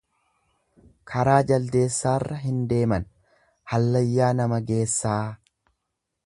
Karaa jaldeessaarra hin deeman haallayyaa nama geessaa.